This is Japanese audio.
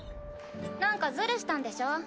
なんかズルしたんでしょ？